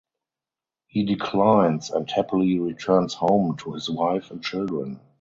He declines and happily returns home to his wife and children.